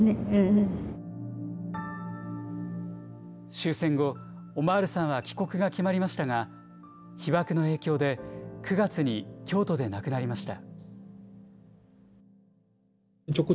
終戦後、オマールさんは帰国が決まりましたが、被爆の影響で９月に京都で亡くなりました。